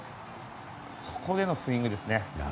そこでのスイングですね。